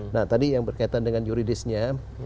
nah tadi yang berkaitan dengan yuridisnya